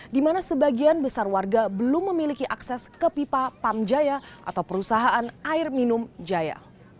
di mana sebagian besar warga belum memiliki akses ke pipa pamjaya atau perusahaan air minum jaya